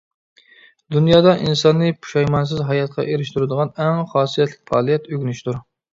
دۇنيادا ئىنساننى پۇشايمانسىز ھاياتقا ئېرىشتۈرىدىغان ئەڭ خاسىيەتلىك پائالىيەت ئۆگىنىشتۇر.